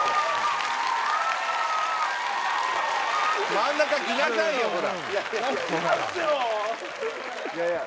真ん中来なさいよほら。